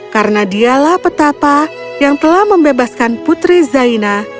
karena dialah betapa yang telah membebaskan putri zaina